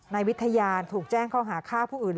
ในวิทยาถูกแจ้งเข้าหาข้าพวกอื่น